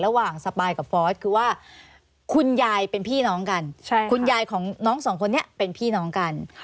ระหว่างสปายกับฟอสคือว่าคุณยายเป็นพี่น้องกันคุณยายของน้องสองคนนี้เป็นพี่น้องกัน